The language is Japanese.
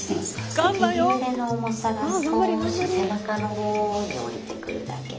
右腕の重さが少し背中の方におりてくるだけ。